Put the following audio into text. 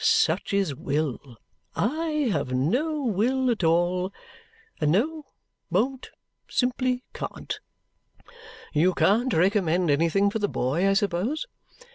Such is will! I have no will at all and no won't simply can't." "You can't recommend anything for the boy, I suppose?"